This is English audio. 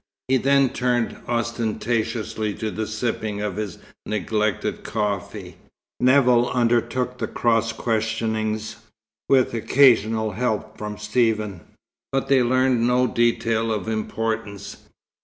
He then turned ostentatiously to the sipping of his neglected coffee. Nevill undertook the cross questionings, with occasional help from Stephen, but they learned no detail of importance.